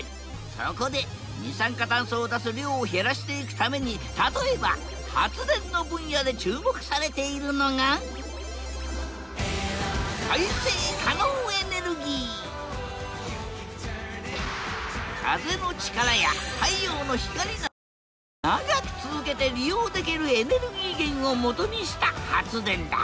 そこで二酸化酸素を出す量を減らしていくために例えば発電の分野で注目されているのが風の力や太陽の光など長く続けて利用できるエネルギー源をもとにした発電だ。